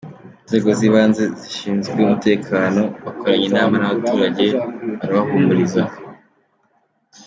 Inzego z’ibanze n’izishinzwe umutekano bakoranye inama n’abaturage barabahumuriza.